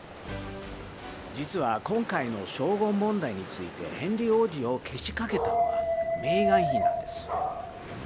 実は、今回の称号問題について、ヘンリー王子をけしかけたのはメーガン妃なんです。